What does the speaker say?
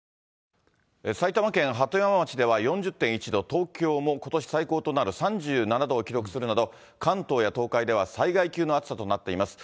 東京もことし最高となる３７度を記録するなど、関東や東海では災害級の暑さとなっています。